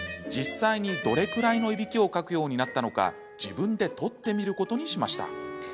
実際に、どれくらいのいびきをかくようになったのか自分で撮ってみることにしました。